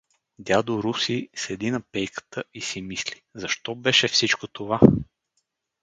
Дядо Руси седи на пейката и си мисли: „Защо беше всичко това?“